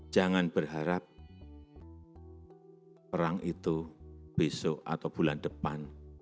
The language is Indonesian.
jangan berharap perang itu besok atau bulan depan